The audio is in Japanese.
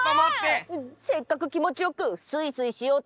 せっかくきもちよくスイスイしようとしてたのに！